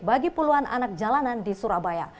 bagi puluhan anak jalanan di surabaya